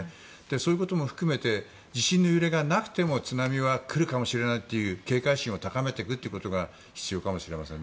そういうことも含めて地震の揺れがなくても津波は来るかもしれないと警戒心を高めることも必要かもしれません。